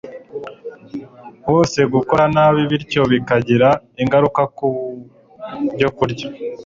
wose gukora nabi bityo bikagira ingaruka ku byokurya